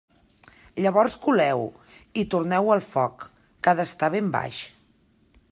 Llavors coleu-ho i torneu-ho al foc, que ha d'estar ben baix.